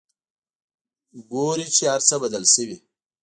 ګوري چې هرڅه بدل شوي.